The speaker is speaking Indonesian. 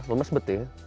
lumes bet ya